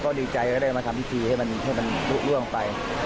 ผมก็ดีใจได้มาทำพิธีให้มันรุ่งไป